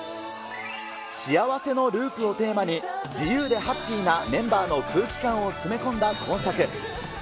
幸せのループをテーマに、自由でハッピーなメンバーの空気感を詰め込んだ今作。